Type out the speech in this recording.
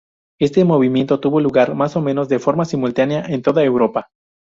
Este movimiento tuvo lugar, más o menos, de forma simultánea en toda Europa.